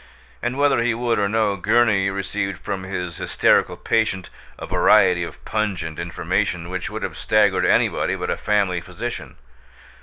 And whether he would or no, Gurney received from his hysterical patient a variety of pungent information which would have staggered anybody but a family physician.